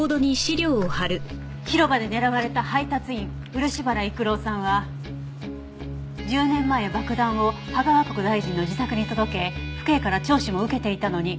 広場で狙われた配達員漆原育郎さんは１０年前爆弾を芳賀和香子大臣の自宅に届け府警から聴取も受けていたのに。